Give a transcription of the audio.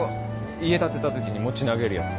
家建てたときに餅投げるやつ。